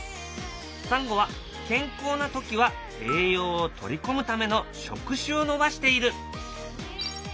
サンゴは健康な時は栄養を取り込むための触手を伸ばしている。